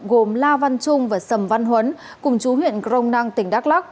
gồm la văn trung và sầm văn huấn cùng chú huyện crong năng tỉnh đắk lắc